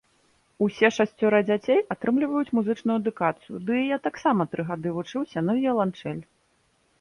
Усе шасцёра дзяцей атрымліваюць музычную адукацыю, ды я таксама тры гады вучыўся на віяланчэль.